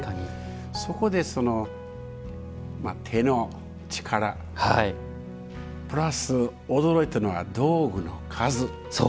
そこで、手の力プラス驚いたのは道具の数。